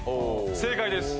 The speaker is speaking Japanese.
正解です。